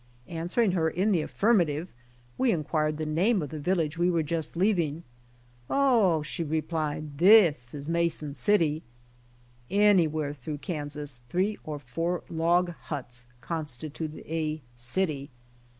Answering her in the affirmative, we inquired the name of the village we were just leaving. ''Oh," she replied, ''this is INIason City." Anywhere through Kansas three or four log huts constituted a city.